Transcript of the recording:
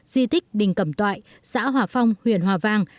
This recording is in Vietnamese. di tích đình cẩm toại xã hòa phong huyện hòa vang